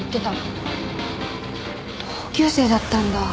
同級生だったんだ。